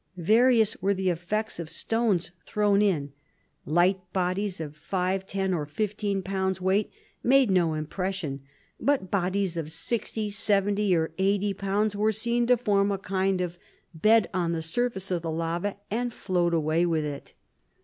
Various were the effects of stones thrown in. "Light bodies of five, ten or fifteen pounds weight, made no impression; but bodies of sixty, seventy and eighty pounds were seen to form a kind of bed on the surface of the lava and float away with it.